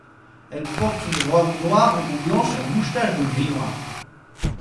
Elle porte une robe noire ou blanche à mouchetage de gris-noir.